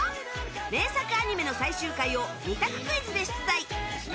名作アニメの最終回を２択クイズで出題。